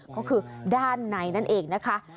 ก็คือด้านในนั่นเองนะคะ